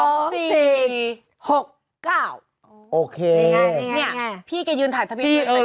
โอเคนี่ไงนี่ไงนี่ไงพี่แกยืนถ่ายทะเบียน